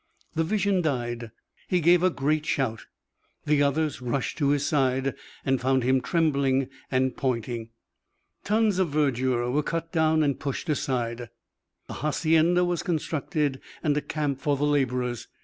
The vision died. He gave a great shout. The others rushed to his side and found him trembling and pointing. Tons of verdure were cut down and pushed aside. A hacienda was constructed and a camp for the labourers.